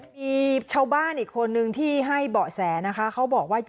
มีชาวบ้านอีกคนนึงที่ให้เบาะแสนะคะเขาบอกว่า